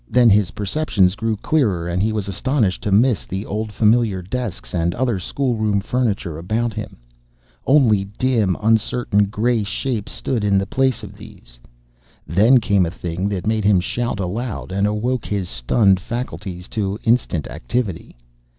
Then his perceptions grew clearer, and he was astonished to miss the old familiar desks and other schoolroom furniture about him. Only dim, uncertain, grey shapes stood in the place of these. Then came a thing that made him shout aloud, and awoke his stunned faculties to instant activity.